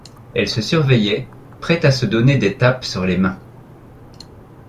Elles se surveillaient, prêtes à se donner des tapes sur les mains.